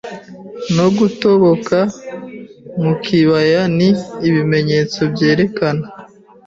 no gutoboka mu kibaya ni ibimenyetso byerekana